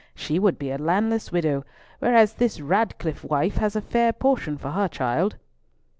She would be a landless widow, whereas this Ratcliffe wife has a fair portion for her child."